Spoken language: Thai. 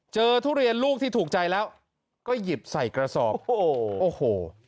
ทุเรียนลูกที่ถูกใจแล้วก็หยิบใส่กระสอบโอ้โหโอ้โห